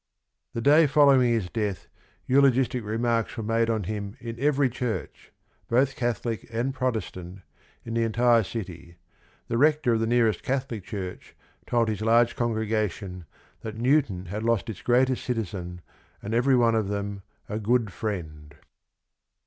The day following his death eulogistic re marks were made on him in every church, both Catholic and Protestant, in the entire city. The rector of the nearest Catholic church told his large congregation "that Newton had lost its greatest citizen and every one of them a good friend."